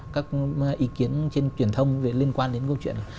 các ý kiến trên truyền thông liên quan đến câu chuyện